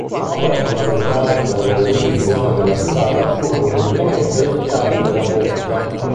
Un'opera fondamentale per la realizzazione della strada furono indubbiamente le "chiavi della Botta".